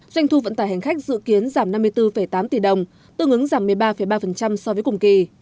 doanh thu vận tải hành khách dự kiến giảm năm mươi bốn tám tỷ đồng tương ứng giảm một mươi ba ba so với cùng kỳ